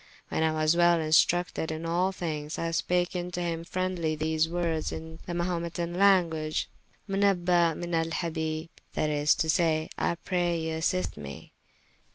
When I was well instructed in all thynges, I spake vnto him friendly these woordes in the Mahumets language Menaba Menalhabi, that is to say, I pray you assist mee.